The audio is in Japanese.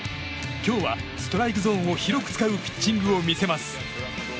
今日はストライクゾーンを広く使うピッチングを見せます。